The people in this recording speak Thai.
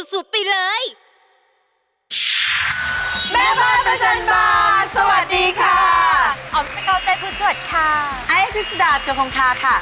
อายุพิษดาเชียวของค่าค่ะ